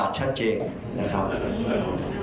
แม่นอนชัดเจกนะครับ